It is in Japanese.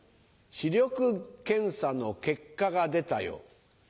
視力検査の結果が出たよ。